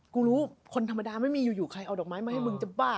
รู้คนธรรมดาไม่มีอยู่ใครเอาดอกไม้มาให้มึงจะบ้า